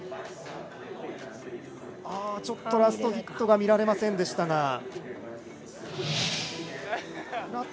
ちょっとラストヒットが見られませんでしたが。